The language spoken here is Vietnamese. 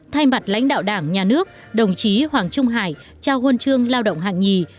thay mặt lãnh đạo đảng nhà nước đồng chí hoàng trung hải trao huân chương lao động hạng nhì